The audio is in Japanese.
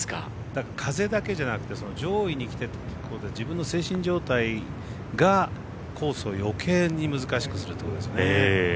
風だけじゃなくて上位にきて自分の精神状態がコースを余計に難しくするということですね。